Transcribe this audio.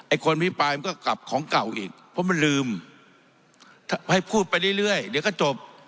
ไอ้คนมีปลายมันก็กลับของเก่าอีกเพราะมันลืมถ้าให้พูดไปเรื่อยเรื่อยเดี๋ยวก็จบ